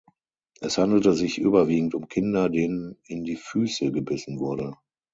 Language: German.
Es handelte sich überwiegend um Kinder, denen in die Füße gebissen wurde.